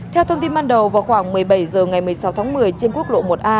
theo thông tin ban đầu vào khoảng một mươi bảy h ngày một mươi sáu tháng một mươi trên quốc lộ một a